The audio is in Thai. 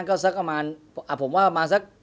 ก็สักประมาณผมว่ามาสัก